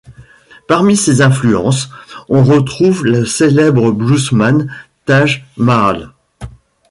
Parmi ses influences, on retrouve le célèbre bluesman Taj Mahal.